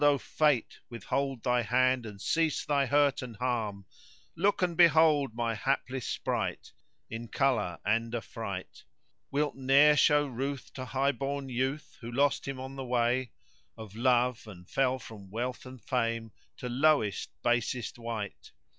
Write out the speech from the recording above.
Oh Fate! withhold thy hand and cease thy hurt and harm * Look and behold my hapless sprite in colour and affright: Wilt ne'er show ruth to highborn youth who lost him on the way * Of Love, and fell from wealth and fame to lowest basest wight.